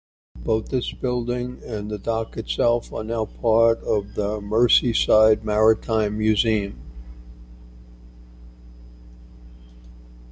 Both this building and the dock itself are now part of Merseyside Maritime Museum.